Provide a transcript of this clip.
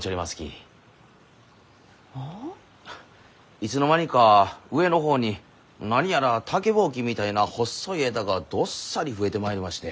いつの間にか上の方に何やら竹ぼうきみたいな細い枝がどっさり増えてまいりまして。